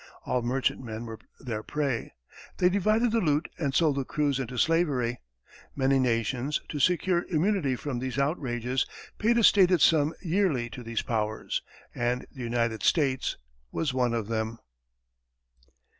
All merchantmen were their prey; they divided the loot and sold the crews into slavery. Many nations, to secure immunity from these outrages, paid a stated sum yearly to these powers, and the United States was one of them.